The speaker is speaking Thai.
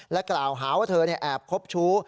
และกล่าวหาว่าเธอนี้แอบครบชู